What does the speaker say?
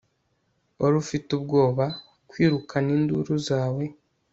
wari ufite ubwoba; kwirukana induru zawe